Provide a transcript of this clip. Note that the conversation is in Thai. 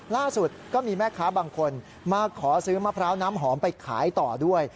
ล่าสุดก็มีแม่ค้าบางคนมาขอซื้อมะพร้าวน้ำหอมไปขายต่อด้วย